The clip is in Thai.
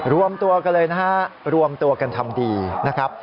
รวมตัวกันเลยนะฮะรวมตัวกันทำดีนะครับ